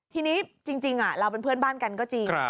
ทีนี้จริงเราเป็นเพื่อนบ้านกันก็จริง